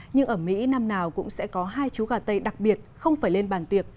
nhưng ở mỹ năm nào cũng sẽ có hai chú gà tây đặc biệt không phải lên bàn tiệc